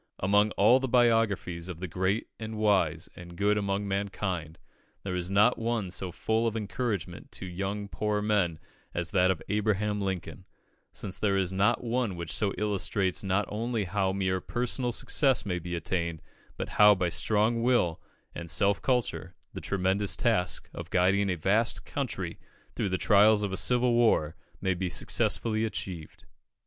Among all the biographies of the great and wise and good among mankind, there is not one so full of encouragement to poor young men as that of Abraham Lincoln, since there is not one which so illustrates not only how mere personal success may be attained, but how, by strong will and self culture, the tremendous task of guiding a vast country through the trials of a civil war may be successfully achieved.